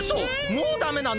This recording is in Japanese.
もうダメなの！？